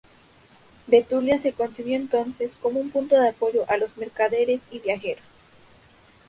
Betulia se concibió entonces, como un punto de apoyo a los mercaderes y viajeros.